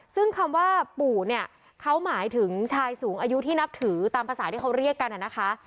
ซึ่งคำว่าปู่เนี่ยเขาหมายถึงชายสูงอายุที่นับถือตามภาษาที่เขาเรียกกันนะคะ